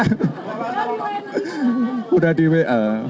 sudah di wa